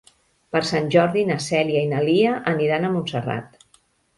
Per Sant Jordi na Cèlia i na Lia aniran a Montserrat.